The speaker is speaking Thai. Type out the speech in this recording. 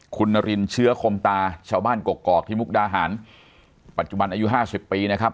คุณนารินเชื้อคมตาชาวบ้านกกอกที่มุกดาหารปัจจุบันอายุห้าสิบปีนะครับ